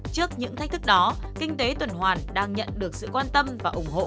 trước những thách thức đó kinh tế tuần hoàn đang nhận được sự quan tâm và ủng hộ